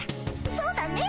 そうだね。